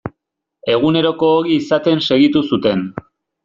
Eguneroko ogi izaten segitu zuten.